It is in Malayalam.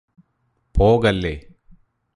പോകല്ലേ